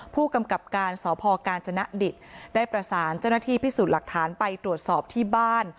ผู้กำกับการสพกาญจนดิตได้ประสานเจ้าหน้าที่พิสูจน์หลักฐานไปตรวจสอบที่บ้าน